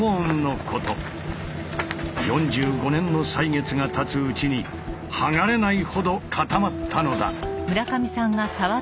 ４５年の歳月がたつうちに剥がれないほど固まったのだ。